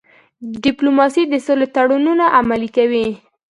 ډيپلوماسي د سولې تړونونه عملي کوي.